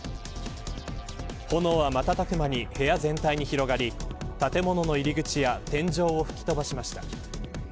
炎は瞬く間に部屋全体に広がり建物の入り口や天井を吹き飛ばしました。